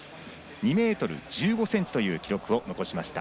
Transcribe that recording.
２ｍ１５ｃｍという記録を残しました。